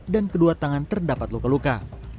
dan kedua tangan terdapat luka luka